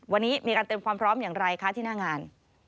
วันนี้มีการเตรียมความพร้อมอย่างไรคะที่หน้างาน